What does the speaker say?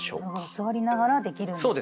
座りながらできるんですね。